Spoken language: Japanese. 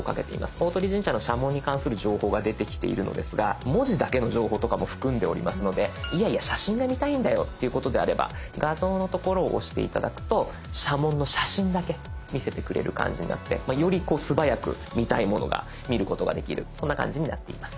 大鳥神社の社紋に関する情報が出てきているのですが文字だけの情報とかも含んでおりますのでいやいや写真が見たいんだよということであれば「画像」の所を押して頂くと社紋の写真だけ見せてくれる感じになってより素早く見たいものが見ることができるそんな感じになっています。